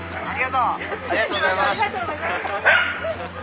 ありがとうございます。